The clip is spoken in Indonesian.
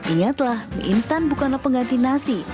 ingatlah mie instan bukanlah pengganti nasi